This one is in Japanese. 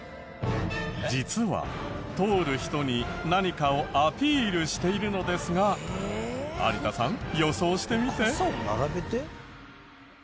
実は通る人に何かをアピールしているのですが有田さん予想してみて。